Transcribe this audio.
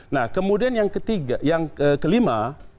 nah kemudian yang kelima